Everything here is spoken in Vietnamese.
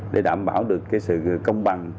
để đảm bảo được cái sự công bằng